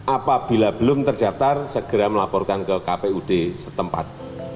apabila belum terdaftar segera melaporkan ke kpud setempat